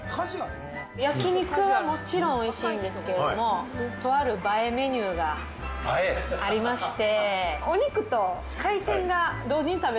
焼き肉はもちろん美味しいんですけれども、とある映えメニューがありまして。